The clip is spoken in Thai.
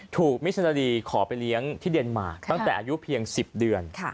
มิชนีขอไปเลี้ยงที่เดนมาร์ตั้งแต่อายุเพียง๑๐เดือน